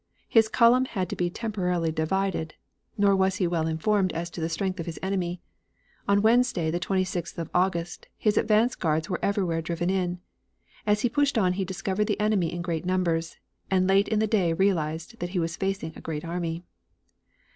His column had to be temporarily divided, nor was he well informed as to the strength of his enemy. On Wednesday, the 26th of August, his advance guards were everywhere driven in. As he pushed on he discovered the enemy in great numbers, and late in the day realized that he was facing a great army.